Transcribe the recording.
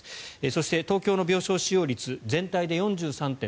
そして、東京の病床使用率全体で４３．７％です。